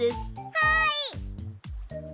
はい！